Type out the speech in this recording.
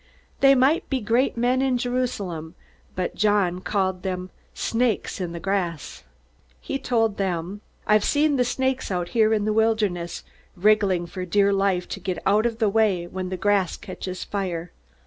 They might be great men in Jerusalem, but John called them "snakes in the grass." He told them: "I've seen the snakes out here in the wilderness, wriggling for dear life to get out of the way when the grass catches fire.